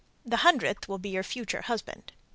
The hundredth will be your future husband.